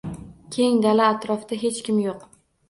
Keng dala, atrofda hech kim yoʻq.